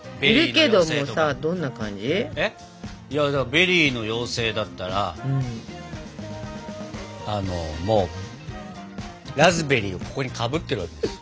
ベリーの妖精だったらラズベリーをここにかぶってるわけですよ。